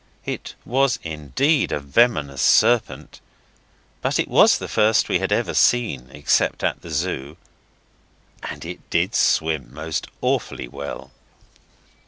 It was indeed a venomous serpent. But it was the first we had ever seen, except at the Zoo. And it did swim most awfully well.